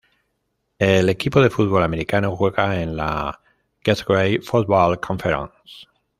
El equipo de fútbol americano juega en la Gateway Football Conference.